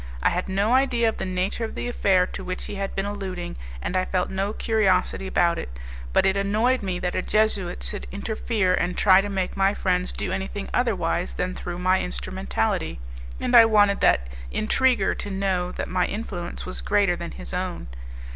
I had no idea of the nature of the affair to which he had been alluding, and I felt no curiosity about it; but it annoyed me that a Jesuit should interfere and try to make my friends do anything otherwise than through my instrumentality, and I wanted that intriguer to know that my influence was greater than his own.